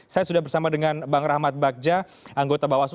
saya sudah bersama dengan bang rahmat bagja anggota bawaslu